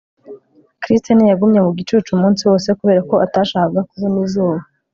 Christine yagumye mu gicucu umunsi wose kubera ko atashakaga kubona izuba